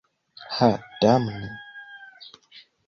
Ha damne!